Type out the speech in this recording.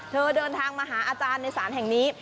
เดินทางมาหาอาจารย์ในศาลแห่งนี้